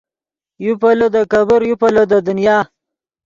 یو پیلو دے کېبر یو پیلو دے دنیا